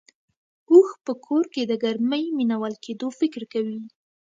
اوښ په کور کې د ګرمۍ مينه وال کېدو فکر کوي.